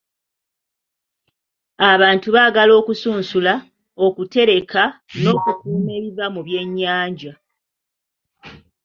Abantu baagala okusunsula, okutereka n'okukuuma ebiva mu byennyanja.